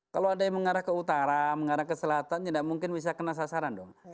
kalau ada yang mengarah ke utara mengarah ke selatan tidak mungkin bisa kena sasaran dong